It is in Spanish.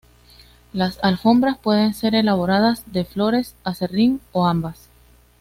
Las alfombras pueden ser elaboradas de flores, aserrín o ambas.